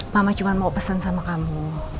mama cuma mau pesan sama kamu